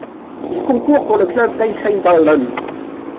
Il concourt pour le club d'Einsiedeln.